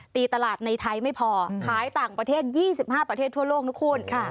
ตลาดในไทยไม่พอขายต่างประเทศ๒๕ประเทศทั่วโลกนะคุณ